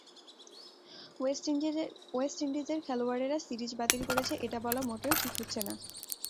West ইন্ডিজের খেলোয়াড়েরা series বাতিল করেছে এটা বলা মোটেও ঠিক হচ্ছে না।